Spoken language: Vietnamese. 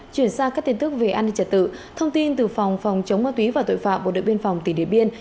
chuyển sang các tin tức về an ninh trật tự thông tin từ phòng phòng chống ma túy và tội phạm bộ đội biên phòng tỉnh điện biên